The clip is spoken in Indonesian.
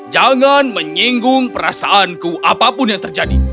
jangan menyinggung perasaanku apapun yang terjadi